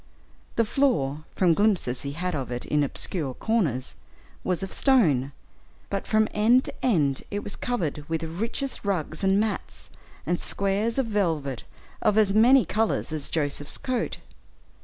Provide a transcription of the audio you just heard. The floor, from glimpses he had of it in obscure corners, was of stone; but from end to end it was covered with richest rugs and mats, and squares of velvet of as many colors as Joseph's coat.